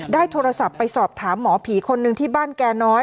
ได้โทรศัพท์ไปสอบถามหมอผีคนหนึ่งที่บ้านแก่น้อย